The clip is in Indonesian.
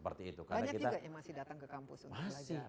banyak juga yang masih datang ke kampus untuk belajar